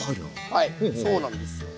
はいそうなんですよ。